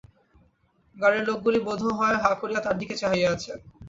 গাড়ির লোকগুলি বোধ হয় হা করিয়া তার দিকেই চাহিয়া আছে।